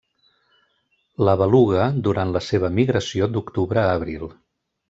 La beluga durant la seva migració d'octubre a abril.